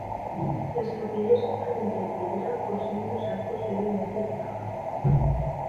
Las capillas totalmente de piedra poseen dos arcos levemente rebajados.